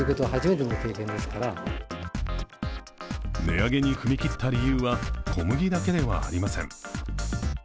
値上げに踏み切った理由は小麦だけではありません。